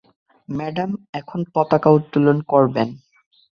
Madam এখন পতাকা উত্তোলন করবেন।